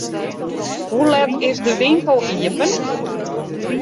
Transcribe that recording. Hoe let is de winkel iepen?